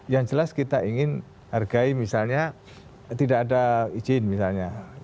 yang jelas kita ingin hargai misalnya tidak ada izin misalnya